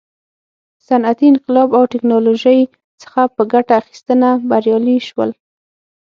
صنعتي انقلاب او ټکنالوژۍ څخه په ګټه اخیستنه بریالي شول.